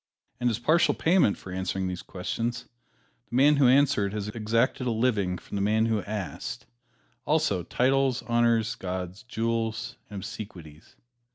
And as partial payment for answering these questions, the man who answered has exacted a living from the man who asked, also titles, honors, gauds, jewels and obsequies.